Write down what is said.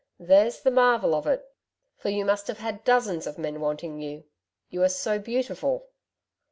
'There's the marvel of it. For you must have had dozens of men wanting you. You are so beautiful.'